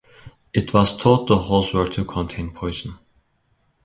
It was thought the holes were to contain poison.